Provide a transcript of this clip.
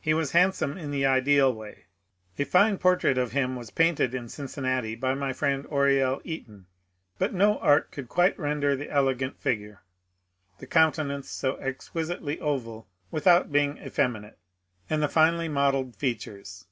He was handsome in the ideal way. A fine portrait of him was painted in Cincinnati by my friend Oriel Eaton, but no art could quite render the elegant figure, the countenance so exquisitely oval without being effeminate, and the finely modelled features.